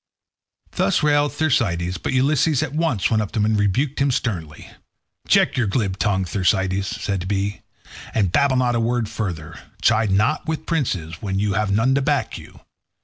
Thus railed Thersites, but Ulysses at once went up to him and rebuked him sternly. "Check your glib tongue, Thersites," said he, "and babble not a word further. Chide not with princes when you have none to back you.